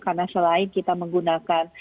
karena selain kita menggunakan